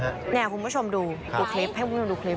นี่คุณคุณคุณก็ชมดูครับให้คุณคุณดูคลิป